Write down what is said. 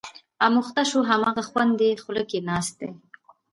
اموخته شو، هماغه خوند یې خوله کې ناست دی.